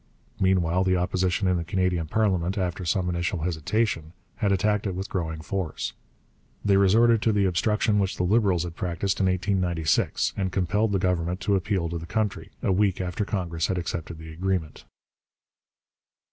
Meanwhile the Opposition in the Canadian parliament, after some initial hesitation, had attacked it with growing force. They resorted to the obstruction which the Liberals had practised in 1896, and compelled the Government to appeal to the country, a week after Congress had accepted the agreement.